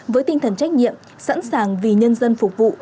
với tinh thần trách nhiệm sẵn sàng vì nhân dân phục vụ